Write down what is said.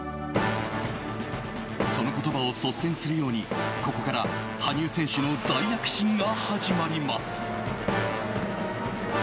その言葉を率先するようにここから羽生選手の大躍進が始まります。